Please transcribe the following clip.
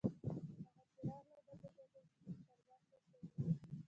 هغه چې راغله نه پوهېږم پر ما څه سوي وو.